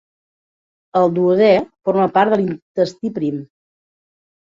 El duodè forma part de l'intestí prim.